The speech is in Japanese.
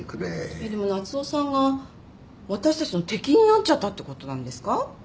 えっでも夏雄さんが私たちの敵になっちゃったってことなんですか？